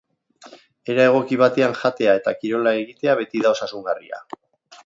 Era egoki batean jatea eta kirola egitea beti da osasungarria.